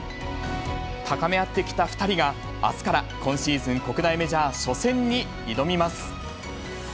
高め合ってきた２人が、あすから今シーズン国内メジャー初戦に挑みます。